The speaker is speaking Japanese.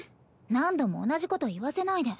何度も同じこと言わせないで。